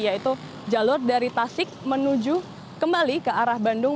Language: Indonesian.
yaitu jalur dari tasik menuju kembali ke arah bandung